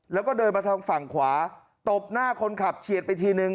แล้วก็เดินมาทางฝั่งขวาตบหน้าคนขับเฉียดไปทีนึง